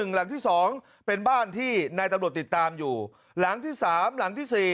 หลังที่๒เป็นบ้านที่นายตำรวจติดตามอยู่หลังที่๓หลังที่๔